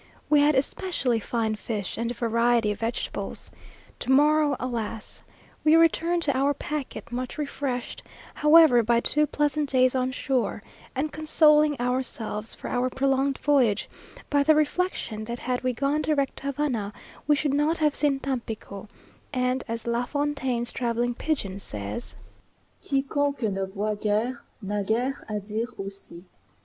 We had especially fine fish, and a variety of vegetables. To morrow, alas! we return to our packet, much refreshed, however, by two pleasant days on shore, and consoling ourselves for our prolonged voyage by the reflection, that had we gone direct to Havana, we should not have seen Tampico; and, as La Fontaine's travelling pigeon says, "Quiconque ne voit guere N'a guere a dire aussi.